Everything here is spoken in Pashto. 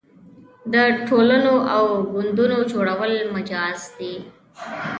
د ټولنو او ګوندونو جوړول مجاز دي.